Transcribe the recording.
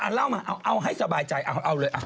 เล่ามาเอาให้สบายใจเอาเลย